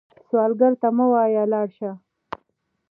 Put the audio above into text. سوالګر ته مه وايئ “لاړ شه”